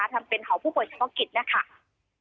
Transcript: ทำเป็นของผู้ปลอดภัยเฉพาะกิจ